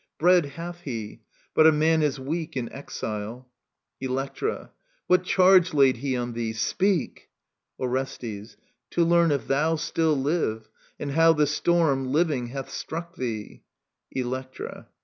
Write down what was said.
Bread hath he ; but a man is weak In exile. Electra. What charge laid he on thee i Speak. Orestes. To learn if thou still live, and how the storm. Living, hath struck thee. Electra.